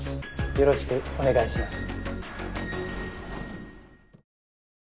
よろしくお願いします。